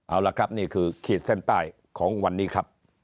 เอาละครับนี่คือขีดเส้นใต้ของวันนี้ครับ